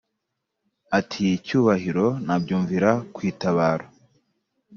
ati"cyubahiro nabyumvira kwitabaro